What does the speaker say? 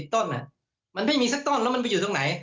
ต้นมันไม่มีสักต้นแล้วมันไปอยู่ตรงไหน